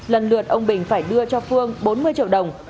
lần lượt ông bình phải đưa cho phương bốn mươi triệu đồng